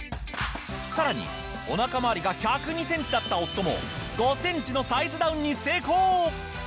さらにお腹まわりが１０２センチだった夫も５センチのサイズダウンに成功！